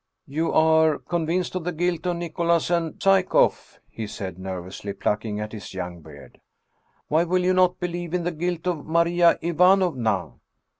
" You are convinced of the guilt of Nicholas and Psye koff," he said, nervously plucking at his young beard. " Why will you not believe in the guilt of Maria Ivanovna